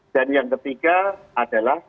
dan yang ketiga adalah